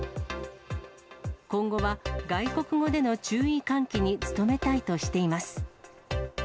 今後は外国語での注意喚起に努めたいとしています。